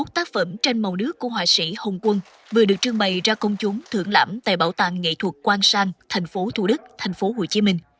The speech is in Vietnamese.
bốn mươi một tác phẩm tranh màu nước của họa sĩ hồng quân vừa được trưng bày ra công chúng thưởng lãm tại bảo tàng nghệ thuật quang sang tp thu đức tp hcm